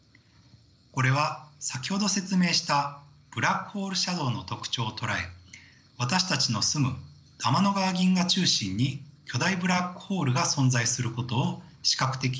これは先ほど説明したブラックホールシャドウの特徴を捉え私たちの住む天の川銀河中心に巨大ブラックホールが存在することを視覚的に証明しています。